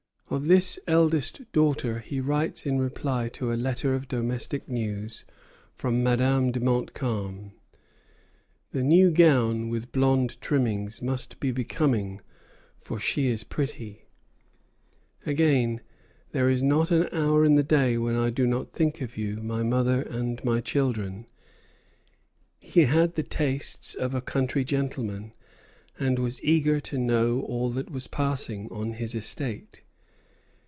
Of this eldest daughter he writes in reply to a letter of domestic news from Madame de Montcalm: "The new gown with blonde trimmings must be becoming, for she is pretty." Again, "There is not an hour in the day when I do not think of you, my mother and my children." He had the tastes of a country gentleman, and was eager to know all that was passing on his estate.